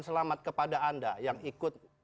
selamat kepada anda yang ikut